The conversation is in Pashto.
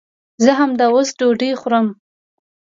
زه همداوس ډوډۍ خورم